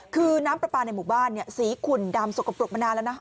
คือน้ำปลาปลาในหมู่บ้านสีขุ่นดำสกปรกมานานแล้วนะ